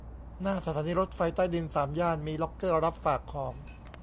หน้าสถานีรถไฟใต้ดินสามย่าน มีล็อกเกอร์รับฝากของ